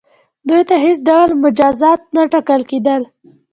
دوی ته هیڅ ډول مجازات نه ټاکل کیدل.